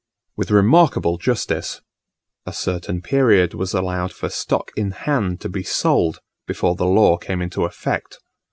With remarkable justice, a certain period was allowed for stock in hand to be sold, before the law came into effect.